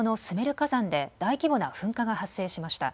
火山で大規模な噴火が発生しました。